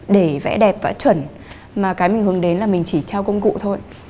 để vẽ đẹp vẽ chuẩn mà cái mình hướng đến là mình chỉ trao công cụ thôi